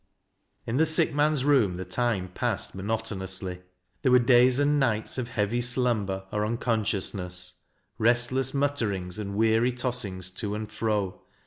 In the sick man's room the time passed monotonously There were days and nights of heavy slumber or uncon sciousness, — restless mutterings and weary tossings to and fro.